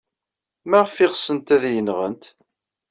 Maɣef ay ɣsent ad iyi-nɣent?